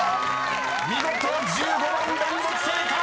［見事１５問連続正解！］